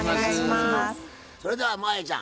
それでは真彩ちゃん